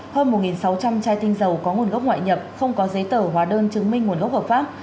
hơn một sáu trăm linh chai tinh dầu có nguồn gốc ngoại nhập không có giấy tờ hóa đơn chứng minh nguồn gốc hợp pháp